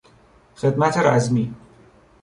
خدمت رزمی